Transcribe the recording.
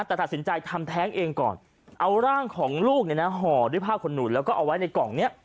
แต่ตัดสินใจทำแท้งเองก่อนเอาร่างของลูกเนี่ยนะห่อด้วยผ้าขนหนูแล้วก็เอาไว้ในกล่องเนี้ย